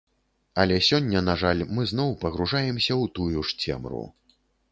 Але сёння, на жаль, мы зноў пагружаемся ў тую ж цемру.